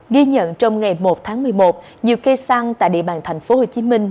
ghi nhận trong ngày một tháng một mươi một nhiều cây xăng tại địa bàn thành phố hồ chí minh